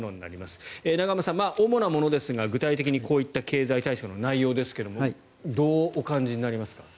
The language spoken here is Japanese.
永濱さん主なものですが、具体的にこういった経済対策の内容ですがどうお感じになりますか？